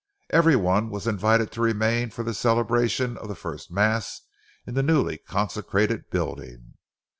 Every one was invited to remain for the celebration of the first mass in the newly consecrated building.